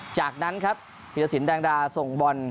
จากนั้นครับธีรสินแดงดาส่งบอล